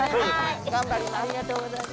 頑張ります。